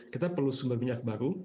kita perlu sumber minyak baru